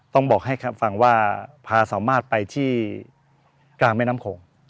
ต้องบอกให้ฟังว่าพาสามารถไปที่กลางแม่น้ำโขง